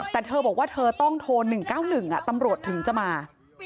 แต่เธอบอกว่าเธอต้องโทร๑๙๑ตำรวจถึงจะมา